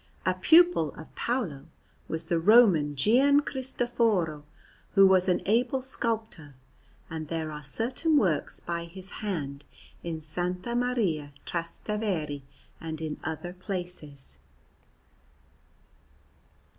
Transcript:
A pupil of Paolo was the Roman Gian Cristoforo, who was an able sculptor; and there are certain works by his hand in S. Maria Trastevere and in other places.